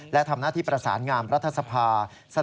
และทำหน้าที่ประสานงามรัฐสภา